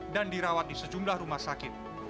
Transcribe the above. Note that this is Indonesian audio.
dan dirawat di sejumlah rumah sakit